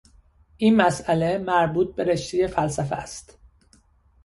این مسئله مربوطه به رشتهی فلسفه است.